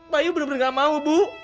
bayu bener bener nggak mau bu